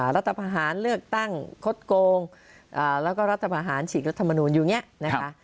รัฐพาหารเลือกตั้งคดโกงแล้วก็รัฐพาหารฉีกรัฐมนูลอยู่อย่างนี้นะคะ